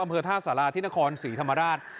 อำเภอท่าสาราที่นครศรีธรรมราช